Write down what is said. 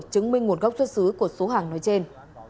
chứng minh nguồn gốc xuất xứ của số hàng nói trên